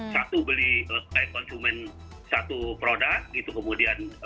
satu beli kayak konsumen satu produk gitu kemudian